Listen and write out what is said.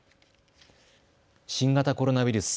新型コロナウイルス。